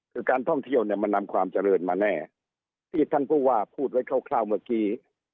คือการท่องเที่ยวเนี่ยมันนำความเจริญมาแน่ที่ท่านผู้ว่าพูดไว้คร่าวเมื่อกี้